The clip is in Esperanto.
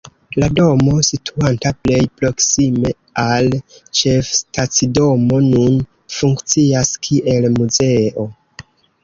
La domo, situanta plej proksime al ĉefstacidomo, nun funkcias kiel muzeo.